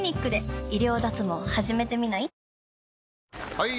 ・はい！